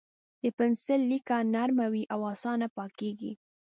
د پنسل لیکه نرم وي او اسانه پاکېږي.